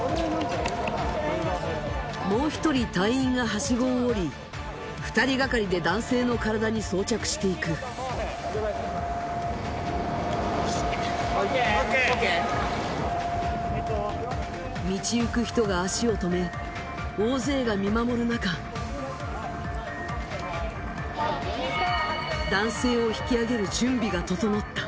もう一人隊員がはしごを下り二人がかりで男性の体に装着していく道行く人が足を止め大勢が見守る中男性を引き上げる準備が整った